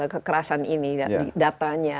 kekerasan ini datanya